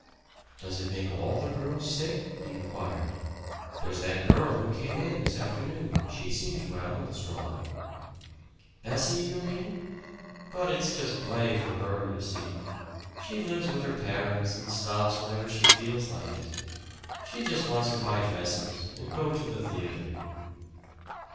"Does it make all the girls sick?" he inquired. "There's that girl who came in this afternoon she seems well and strong." "Bessie, you mean? But it's just play for her, you see. She lives with her parents and stops whenever she feels like it. She just wants to buy dresses and go to the theater."